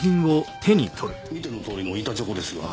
あぁ見てのとおりの板チョコですが。